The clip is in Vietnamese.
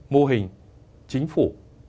mô hình chính phủ